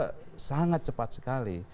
tersebar juga sangat cepat sekali